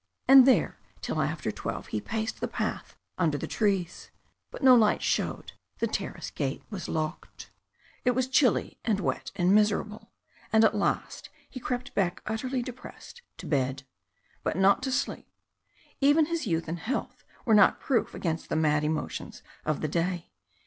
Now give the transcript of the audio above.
And there till after twelve he paced the path under the trees. But no light showed; the terrace gate was locked. It was chilly and wet and miserable, and at last he crept back utterly depressed, to bed. But not to sleep. Even his youth and health were not proof against the mad emotions of the day.